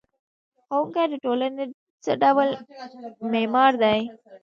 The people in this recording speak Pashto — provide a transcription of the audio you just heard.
ښوونکی د ټولنې څه ډول معمار دی؟